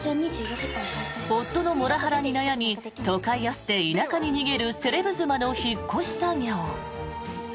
夫のモラハラに悩み都会を捨て、田舎に逃げるセレブ妻の引っ越し作業。